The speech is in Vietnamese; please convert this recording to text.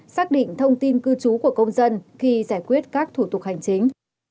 xác định thông tin cư trú của công dân khi giải quyết các thủ tục hành chính